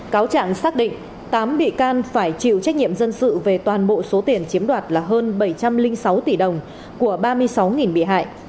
cáo trạng xác định tám bị can phải chịu trách nhiệm dân sự về toàn bộ số tiền chiếm đoạt là hơn bảy trăm linh sáu tỷ đồng của ba mươi sáu bị hại